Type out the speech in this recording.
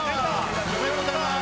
おめでとうございます！